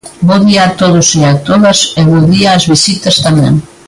Bo día a todos e a todas e bo día ás visitas tamén.